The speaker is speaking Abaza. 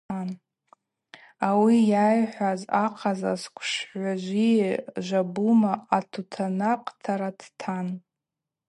Ауи ъайхӏваз ахъазла сквшы гӏважви жвабума атутанакътара дтан.